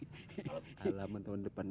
halaman tahun depan